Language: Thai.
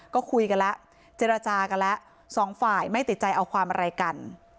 ก็คุยกันแล้วเจรจากันแล้วสองฝ่ายไม่ติดใจเอาความอะไรกัน